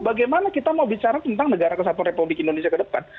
bagaimana kita mau bicara tentang negara kesatuan republik indonesia ke depan